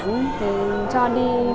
thì cho đi